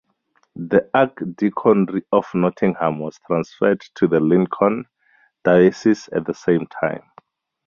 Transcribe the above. The Archdeaconry of Nottingham was transferred to the Lincoln diocese at the same time.